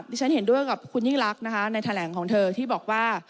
ฉันเห็นด้วยกับคุณยิ่งรักนะคะในแถลงของเธอที่บอกว่า